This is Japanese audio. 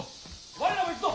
我らも行くぞ！